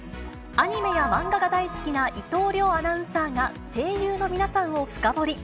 アニメや漫画が大好きな伊藤遼アナウンサーが声優の皆さんを深掘り。